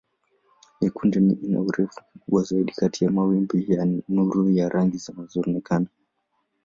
Nyekundu ina urefu mkubwa zaidi kati ya mawimbi ya nuru ya rangi zinazoonekana.